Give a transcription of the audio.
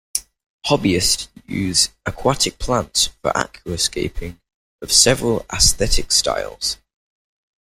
Hobbyists use aquatic plants for aquascaping, of several aesthetic styles.